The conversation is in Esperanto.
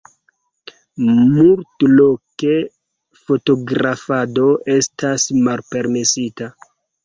Multloke fotografado estas malpermesita.